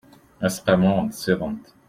aseqqamu n tsiḍent